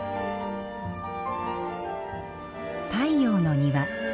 太陽の庭。